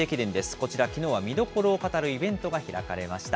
こちら、きのうは見どころを語るイベントが開かれました。